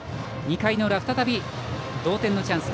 ２回の裏、再び同点のチャンス。